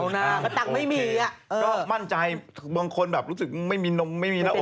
หน้าก็ตังค์ไม่มีอ่ะก็มั่นใจบางคนแบบรู้สึกไม่มีนมไม่มีหน้าอก